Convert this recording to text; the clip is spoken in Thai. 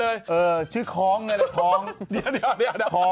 พี่หนุ่มก็รู้จัก